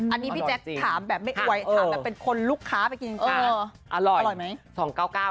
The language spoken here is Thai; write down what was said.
อันนี้พี่แจ๊คถามแบบไม่อวยถามแบบเป็นคนลูกค้าไปกินจริงนะ